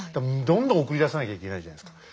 どんどん送り出さなきゃいけないじゃないですか。